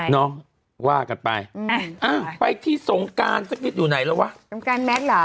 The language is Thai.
น้องว่ากันไปอื้อไปที่ทรงการสักนิดอยู่ไหนแล้ววะทรงการแมทหรอ